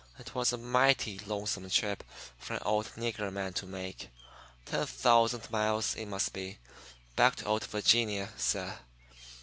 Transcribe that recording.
It was a mighty longsome trip for an old nigger man to make ten thousand miles, it must be, back to old Vi'ginia, suh.